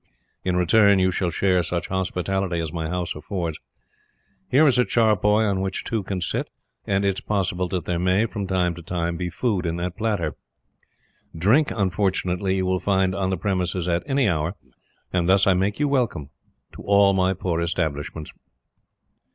In return, you shall share such hospitality as my house affords. Here is a charpoy on which two can sit, and it is possible that there may, from time to time, be food in that platter. Drink, unfortunately, you will find on the premises at any hour: and thus I make you welcome to all my poor establishments."